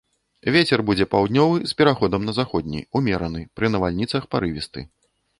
Вецер будзе паўднёвы з пераходам на заходні, умераны, пры навальніцах парывісты.